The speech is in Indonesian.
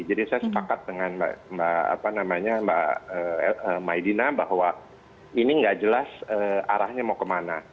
jadi saya sepakat dengan mbak maidina bahwa ini tidak jelas arahnya mau kemana